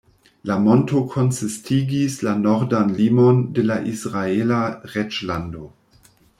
La monto konsistigis la nordan limon de la Izraela reĝlando.